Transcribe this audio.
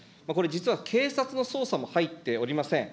これ実は警察の捜査も入っておりません。